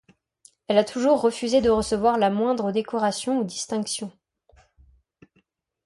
Elle a toujours refusé de recevoir la moindre décoration ou distinction.